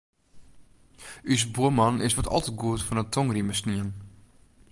Us buorman is wat al te goed fan 'e tongrieme snien.